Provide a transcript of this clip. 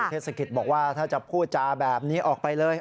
เทศกิจบอกว่าถ้าจะพูดจาแบบนี้ออกไปเลย